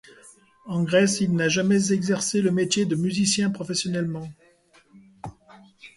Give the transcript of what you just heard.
En Grèce il n’a jamais exercé le métier de musicien professionnellement.